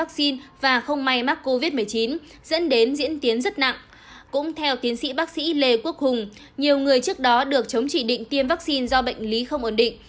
cũng theo tiến sĩ bác sĩ lê quốc hùng nhiều người trước đó được chống chỉ định tiêm vaccine do bệnh lý không ổn định